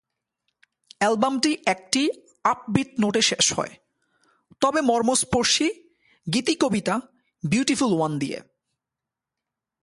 অ্যালবামটি একটি আপবিট নোটে শেষ হয়, তবে মর্মস্পর্শী গীতিকবিতা "বিউটিফুল ওয়ান" দিয়ে।